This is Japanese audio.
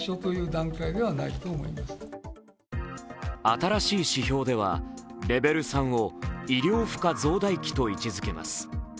新しい指標ではレベル３を医療負荷増大期と位置づけます。